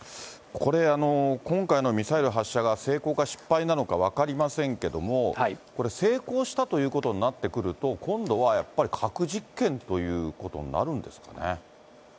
これ、今回のミサイル発射が成功か失敗なのか分かりませんけれども、これ、成功したということになってくると、今度はやっぱり核実験ということになるんですかね。